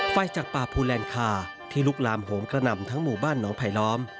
ไฟจากป่าภูแลนคาที่ลุกลามโหมกระหน่ำทั้งหมู่บ้านน้องไผลล้อม